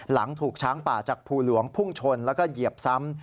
หลังถูกช้างป่าจากภูหลวงพุ่งชนแล้วก็เหยียบซ้ำ